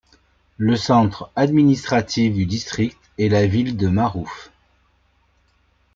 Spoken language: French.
Le centre administratif du district est la ville de Maruf.